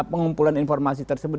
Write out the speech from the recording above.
pengumpulan informasi tersebut